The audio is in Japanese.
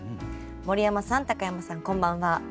「森山さん高山さんこんばんは。